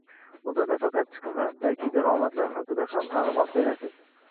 Bunda nafaqat chiqimlar, balki daromadlar haqida ham ma’lumot berasiz.